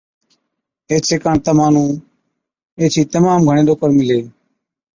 ايڇي ڪاڻ تمهان نُون ايڇي تمام گھڻي ڏوڪڙ مِلهي۔